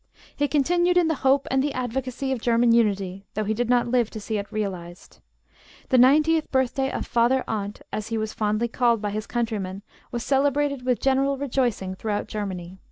He continued in the hope and the advocacy of German unity, though he did not live to see it realized. The ninetieth birthday of "Father Arndt," as he was fondly called by his countrymen, was celebrated with general rejoicing throughout Germany.